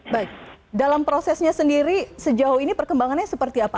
baik dalam prosesnya sendiri sejauh ini perkembangannya seperti apa